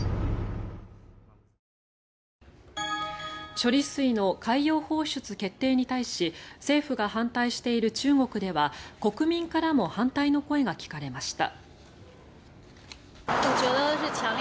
処理水の海洋放出決定に対し政府が反対している中国では国民からも反対の声が聞かれました。